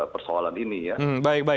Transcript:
persoalan ini ya